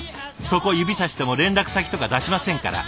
そこ指さしても連絡先とか出しませんから！